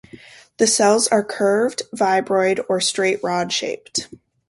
The cells are curved, vibroid, or straight rod-shaped.